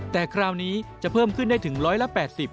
แต่คราวนี้จะเพิ่มขึ้นได้ถึง๑๘๐